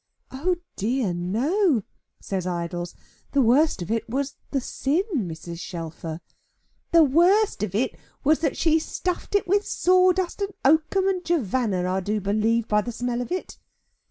"Oh dear no," says Idols, "the worst of it was the sin, Mrs. Shelfer." "The worst of it was that she stuffed it with sawdust, and oakum, and jovanna, I do believe, by the smell of it."